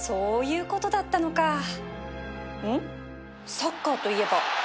サッカーといえば